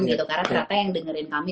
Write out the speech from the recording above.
gitu karena ternyata yang dengerin kami